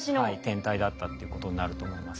天体だったっていうことになると思います。